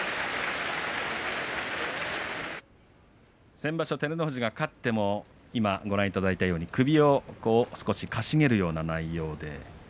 先場所照ノ富士が勝っても今、ご覧いただいたように首を少しかしげるような内容で。